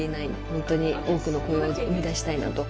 ホントに多くの雇用を生み出したいなと。